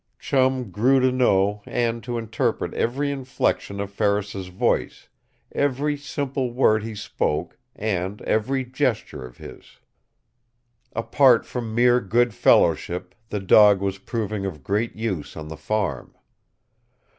Chum grew to know and to interpret every inflection of Ferris's voice, every simple word he spoke and every gesture of his. Apart from mere good fellowship the dog was proving of great use on the farm.